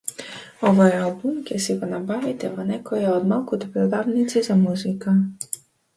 Овој албум ќе си го набавите во некоја од малкуте продавници за музика.